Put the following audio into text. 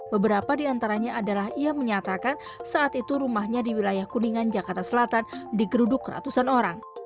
beberapa di antaranya adalah ia menyatakan saat itu rumahnya di wilayah kuningan jakarta selatan digeruduk ratusan orang